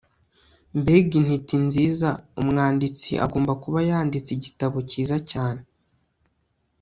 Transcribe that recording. mbega intiti nziza umwanditsi agomba kuba yanditse igitabo cyiza cyane